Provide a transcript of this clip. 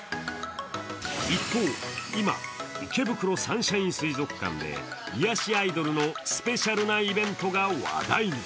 一方、今、池袋サンシャイン水族館で癒やしアイドルのスペシャルなイベントが話題に。